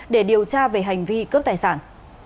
để điều tra về hành vi cướp tài sản